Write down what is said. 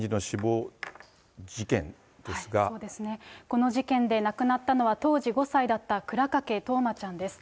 この事件で亡くなったのは、当時５歳だった倉掛冬生ちゃんです。